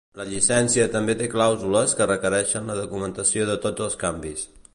La llicència també té clàusules que requereixen la documentació de tots els canvis.